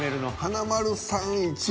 華丸さん